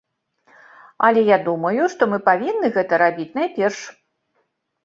Але я думаю, што мы павінны гэта рабіць найперш.